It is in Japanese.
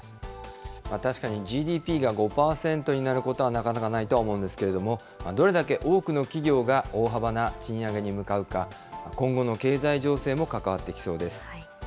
確かにＧＤＰが５％になることはなかなかないとは思うんですけれども、どれだけ多くの企業が大幅な賃上げに向かうか、今後の経済情勢も関わってきそうです。